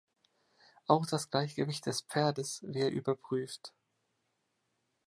Auch das Gleichgewicht des Pferdes wir überprüft.